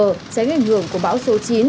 tránh ảnh hưởng của bão số chín